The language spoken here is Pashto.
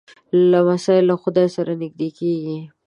لمسی له خدای سره نږدې کېږي.